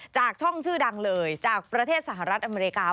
จากช่องชื่อดังเลยจากประเทศสหรัฐอเมริกา